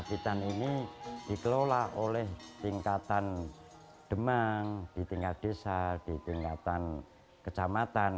bitan ini dikelola oleh tingkatan demang di tingkat desa di tingkatan kecamatan